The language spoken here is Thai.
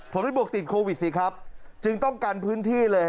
ผมไม่บวกติดโควิดสิครับจึงต้องกันพื้นที่เลย